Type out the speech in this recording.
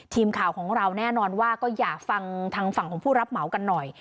ทีมข่าวของเราแน่นอนว่าก็อยากฟังทางฝั่งของผู้รับเหมากันหน่อย